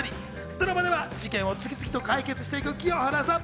ドラマでは事件を次々と解決していく清原さん。